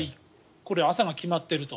朝が決まっていると。